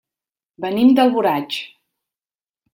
Venim d'Alboraig.